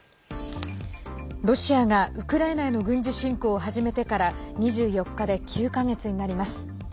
ロシアがウクライナへの軍事侵攻を始めてから２４日で９か月になります。